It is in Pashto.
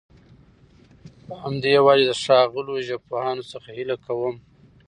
په همدي وجه د ښاغلو ژبپوهانو څخه هيله کوم